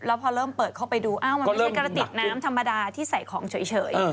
แล้วพอเริ่มเปิดเข้าไปดูอ้าวมันไม่ใช่กระติกน้ำธรรมดาที่ใส่ของเฉย